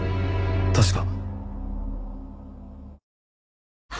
確か。